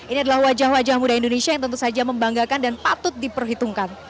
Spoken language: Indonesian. ini adalah wajah wajah muda indonesia yang tentu saja membanggakan dan patut diperhitungkan